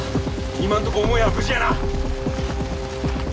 今んとこ母屋は無事やな。